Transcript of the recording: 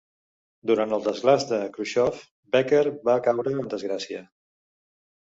Durant el desglaç de Khrusxov, Becher va caure en desgràcia.